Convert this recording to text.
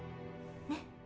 ねっ？